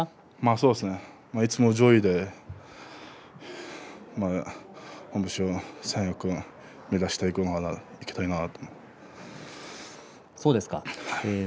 そうですねいつも上位で今後は三役を目指していきたいなと思ってます。